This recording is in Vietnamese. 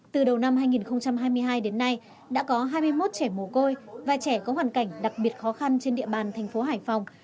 từ đầu năm hai nghìn hai mươi hai đến nay đã có hai mươi một trẻ mồ côi và trẻ có hoàn cảnh đặc biệt khó khăn trên địa bàn thành phố hải phòng